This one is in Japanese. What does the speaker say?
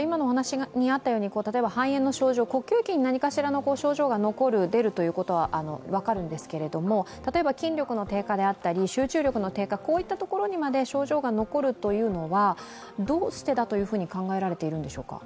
例えば肺炎の症状、呼吸器に何かしらの症状が残るのは分かるんですが例えば筋力の低下であったり集中力の低下、こういったところにまで症状が残るというのはどうしてだというふうに考えられているんでしょうか。